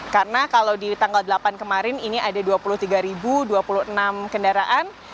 karena kalau di tanggal delapan kemarin ini ada dua puluh tiga dua puluh enam kendaraan